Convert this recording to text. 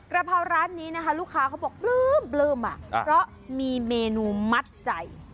เพราร้านนี้นะคะลูกค้าเขาบอกปลื้มเพราะมีเมนูมัดใจ